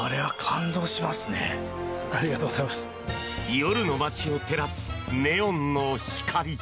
夜の街を照らすネオンの光。